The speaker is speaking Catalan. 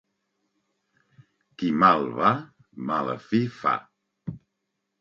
Qui mal va, mala fi fa.